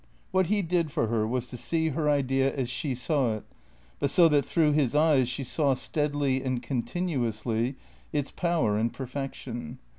Wliat he did for her was to see her idea as she saw it, but so that through his eyes she saw steadily and continuously its power and per fection.